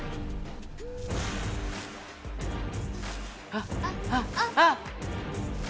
あああっ！